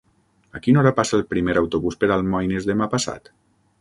A quina hora passa el primer autobús per Almoines demà passat?